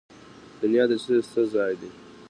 دنیا د څه ځای دی؟